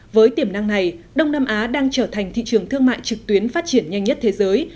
với tiềm năng này đông nam á đang trở thành thị trường thương mại trực tuyến phát triển nhanh nhất thế giới